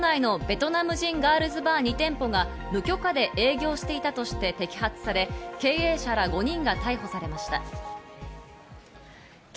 東京都内のベトナム人ガールズバー２店舗が無許可で営業していたとして摘発され、経営者ら５人が逮捕されました。